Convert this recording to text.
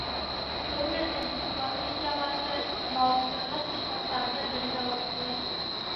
Төрлө энциклопедияларҙы, мауыҡтырғыс китаптарҙы бергә уҡығыҙ.